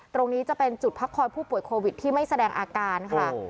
ตรงนี้จะเป็นจุดพักคอยผู้ป่วยโควิดที่ไม่แสดงอาการค่ะ